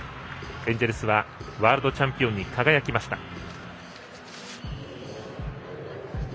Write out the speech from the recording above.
エンジェルスはワールドチャンピオンに輝きました。